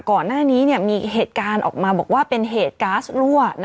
ก่อนหน้านี้มีเหตุการณ์ออกมาบอกว่าเป็นเหตุก๊าซรั่ว